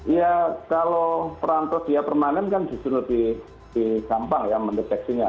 ya kalau perantau dia permanen kan justru lebih gampang ya mendeteksinya